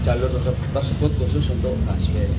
jalur tersebut khusus untuk busway